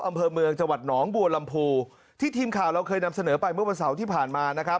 อำเภอเมืองจังหวัดหนองบัวลำพูที่ทีมข่าวเราเคยนำเสนอไปเมื่อวันเสาร์ที่ผ่านมานะครับ